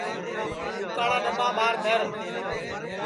تُھوکاڑا ڈؔٻا ٻار دھر